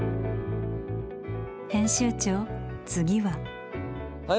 編集長次は？